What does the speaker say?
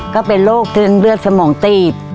ก็เป็นโรคถึงเลือดสมองตีบ